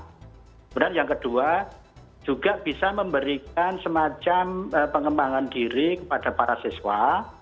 kemudian yang kedua juga bisa memberikan semacam pengembangan diri kepada para siswa